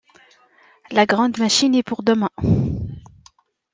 la grande machine est pour demain.